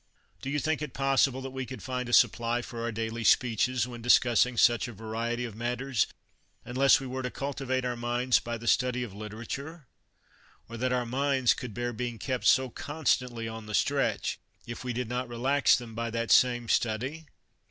Do you think it possible that we could find a supply for our daily speeches, when dis cussing such a variety of matters, unless we were to cultivate our minds by the study of literature ; or that our minds could bear being kept so con stantly on the stretch if we did not relax them by that same study?